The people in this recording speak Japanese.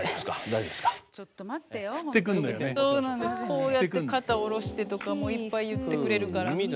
こうやって肩下ろしてとかいっぱい言ってくれるから。